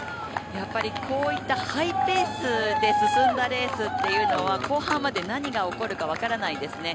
やっぱりこういったハイペースで進んだレースっていうのは後半まで何が起きるか分からないんですね。